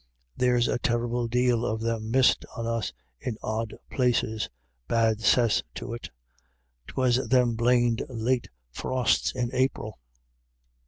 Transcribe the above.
There's a terrible dale of them missed on us in odd places — bad cess to it — 'twas them blamed late frosts in Aperl."